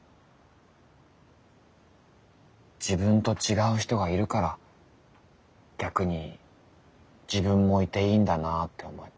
自分と違う人がいるから逆に自分もいていいんだなって思えて。